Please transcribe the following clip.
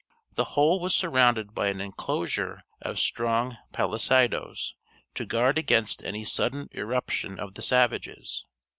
The whole was surrounded by an enclosure of strong palisadoes, to guard against any sudden irruption of the savages.